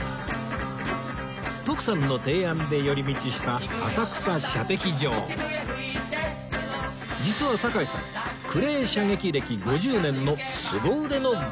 徳さんの提案で寄り道した実は堺さんクレー射撃歴５０年のすご腕のガンマン